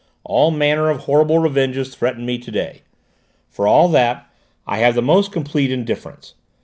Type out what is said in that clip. All manner of horrible revenges threaten me to day. For all that I have the most complete indifference!